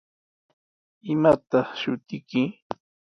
¿Imataq shutiyki?